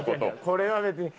これは別に。